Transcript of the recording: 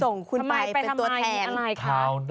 ส่งคุณไปเป็นตัวแทนเขา